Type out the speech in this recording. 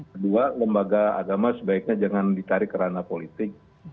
kedua lembaga agama sebaiknya jangan ditarik kerana politik